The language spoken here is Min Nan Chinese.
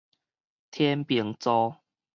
天秤座